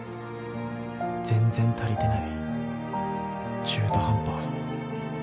全然足りてない中途半端